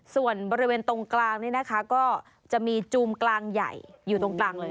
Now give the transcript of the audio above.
ส่วนบริเวณตรงกลางนี่นะคะก็จะมีจูมกลางใหญ่อยู่ตรงกลางเลย